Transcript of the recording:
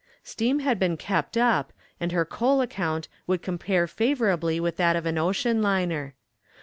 Steam had been kept up, and her coal account would compare favorably with that of an ocean liner.